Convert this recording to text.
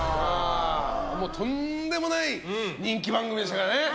とんでもない人気番組でしたからね。